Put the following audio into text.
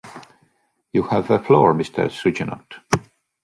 You have the floor Mr. Suguenot